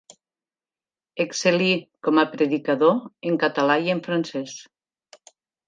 Excel·lí com a predicador en català i en francès.